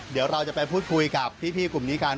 เดี๋ยวเราจะไปพูดคุยกับพี่กลุ่มนี้กัน